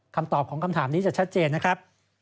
คำตอบของคำถามนี้จะชัดเจนนะครับ